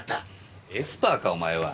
エスパーかお前は？